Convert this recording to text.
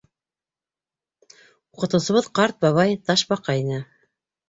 Уҡытыусыбыҙ ҡарт бабай, Ташбаҡа ине.